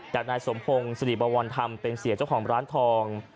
นายสมพงศ์สิริบวรธรรมเป็นเสียเจ้าของร้านทอง